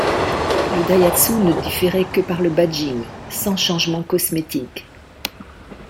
Le Daihatsu ne différait que par le badging, sans changements cosmétiques.